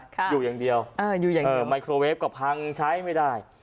อยู่อย่างเดียวอยู่อย่างเดียวไมโครเวฟก็พังใช้ไม่ได้